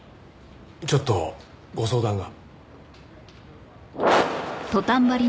ちょっとご相談が。